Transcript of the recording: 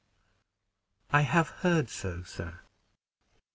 "I have heard so, sir."